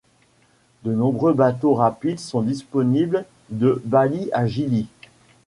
De nombreux bateaux rapides sont disponibles de Bali à Gili.